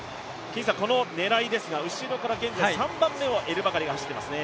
この狙いですが、後ろから３番目をエルバカリが走っていますね？